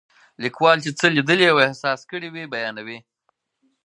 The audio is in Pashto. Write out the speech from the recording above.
لیکوال چې څه لیدلي او احساس کړي وي بیانوي.